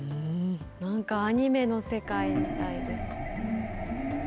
なんかアニメの世界みたいですね。